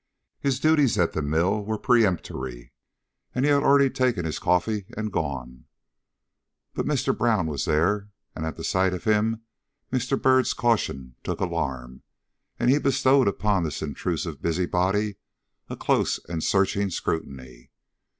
His duties at the mill were peremptory, and he had already taken his coffee and gone. But Mr. Brown was there, and at sight of him Mr. Byrd's caution took alarm, and he bestowed upon this intrusive busybody a close and searching scrutiny.